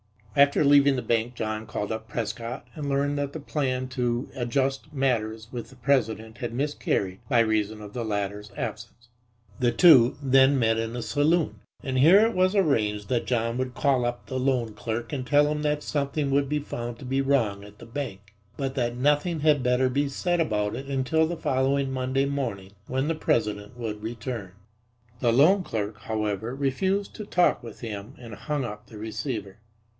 After leaving the bank John called up Prescott and learned that the plan to adjust matters with the president had miscarried by reason of the latter's absence. The two then met in a saloon, and here it was arranged that John should call up the loan clerk and tell him that something would be found to be wrong at the bank, but that nothing had better be said about it until the following Monday morning, when the president would return. The loan clerk, however, refused to talk with him and hung up the receiver.